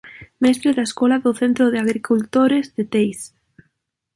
Mestre da escola do Centro de Agricultores de Teis.